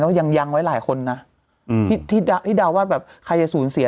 แล้วยังยังไว้หลายคนนะที่เดาว่าแบบใครจะสูญเสีย